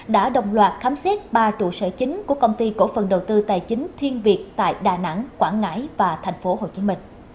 đã đồng loạt khám xét ba trụ sở chính của công ty cổ phần đầu tư tài chính thiên việt tại đà nẵng quảng ngãi và tp hcm